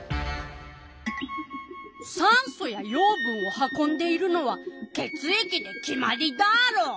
酸素や養分を運んでいるのは血液で決まりダロ！